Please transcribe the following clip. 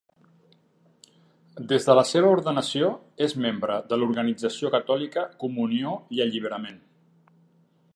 Des de la seva ordenació és membre de l'organització catòlica Comunió i Alliberament.